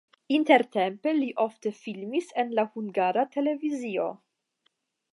Intertempe li ofte filmis en la Hungara Televizio.